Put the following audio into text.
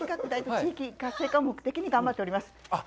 地域活性化を目的にやっております。